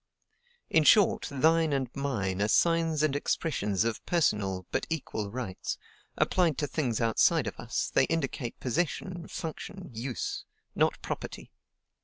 In short, THINE and MINE are signs and expressions of personal, but equal, rights; applied to things outside of us, they indicate possession, function, use, not property.